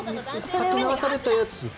勝手に流されたやつか。